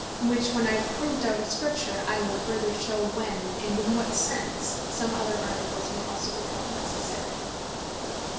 Which when I have proved out of Scripture, I will further shew when, and in what sense some other Articles may bee also called Necessary.